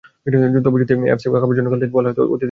তবে যদি এএফসি কাপের জন্য খেলতে বলা হয়, অতিথি হিসেবেই খেলব।